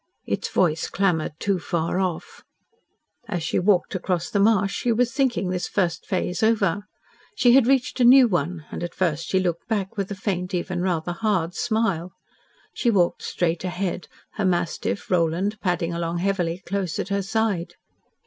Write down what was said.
Its voice clamoured too far off. As she walked across the marsh she was thinking this first phase over. She had reached a new one, and at first she looked back with a faint, even rather hard, smile. She walked straight ahead, her mastiff, Roland, padding along heavily close at her side.